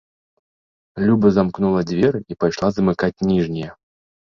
Люба замкнула дзверы і пайшла замыкаць ніжнія.